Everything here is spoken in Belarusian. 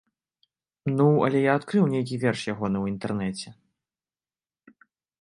Ну але я адкрыў нейкі верш ягоны ў інтэрнэце.